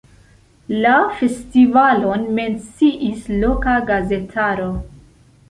La festivalon menciis loka gazetaro.